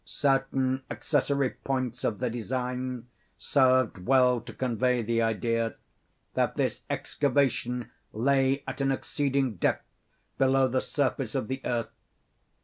Certain accessory points of the design served well to convey the idea that this excavation lay at an exceeding depth below the surface of the earth.